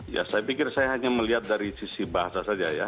ya saya pikir saya hanya melihat dari sisi bahasa saja ya